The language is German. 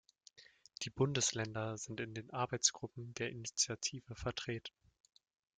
Die Bundesländer sind in den Arbeitsgruppen der Initiative vertreten.